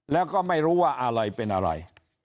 แล้วก็ไม่รู้ว่าอะไรเป็นอะไร